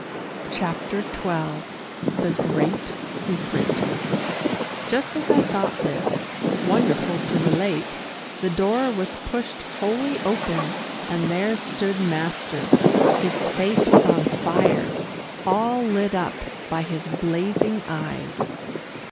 CHAPTER XII THE GREAT SECRET Just as I thought this, wonderful to relate, the door was pushed wholly open, and there stood master. His face was on fire all lit up by his blazing eyes.